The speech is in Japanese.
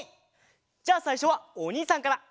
じゃあさいしょはおにいさんから！